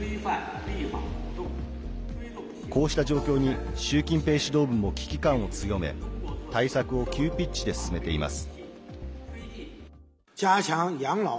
こうした状況に習近平指導部も危機感を強め対策を急ピッチで進めています。